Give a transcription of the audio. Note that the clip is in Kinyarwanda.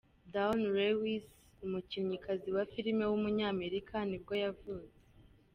Dawnn Lewis, umukinnyikazi wa film w’umunyamerika nibwo yavutse.